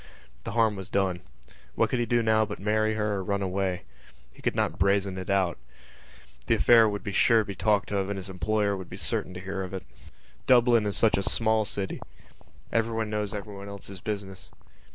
The harm was done. What could he do now but marry her or run away? He could not brazen it out. The affair would be sure to be talked of and his employer would be certain to hear of it. Dublin is such a small city: everyone knows everyone else's business.